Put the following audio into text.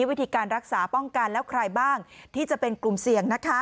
วิธีการรักษาป้องกันแล้วใครบ้างที่จะเป็นกลุ่มเสี่ยงนะคะ